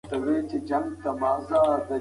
فکر کول د کار پر کیفیت مستقیم اغېز لري.